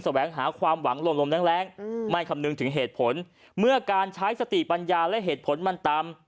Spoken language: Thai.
แหวงหาความหวังลมลมแรงไม่คำนึงถึงเหตุผลเมื่อการใช้สติปัญญาและเหตุผลมันต่ำ